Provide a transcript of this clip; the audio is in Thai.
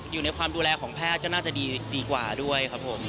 อยู่ในความดูแลของแพทย์ก็น่าจะดีกว่าด้วยครับผม